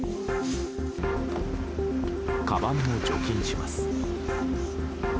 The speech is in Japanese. かばんも除菌します。